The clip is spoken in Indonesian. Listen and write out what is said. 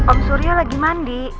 om surya lagi mandi